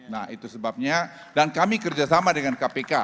nah itu sebabnya dan kami kerjasama dengan kpk